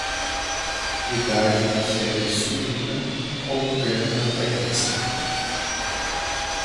Idade da febre suína como grama terrestre.